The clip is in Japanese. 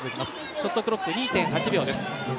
ショットクロックが２．８秒です。